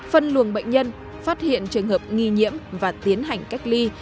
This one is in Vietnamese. phân luồng bệnh nhân phát hiện trường hợp nghi nhiễm và tiến hành cách ly